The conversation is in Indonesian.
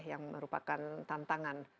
yang merupakan tantangan